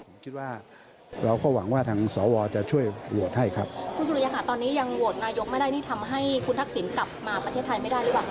ผมคิดว่าทางสวก็ช่วยโหวดให้มันนะครับ